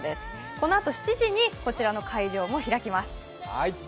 このあと７時にこちらの会場も開きます。